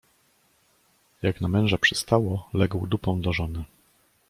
Jak na męża przystało, legł dupą do żony.